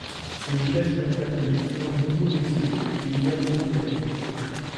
C'est le village natal de l'écrivain Mongo Beti, qui y est également enterré.